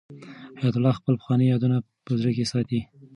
حیات الله خپل پخواني یادونه په زړه کې ساتي.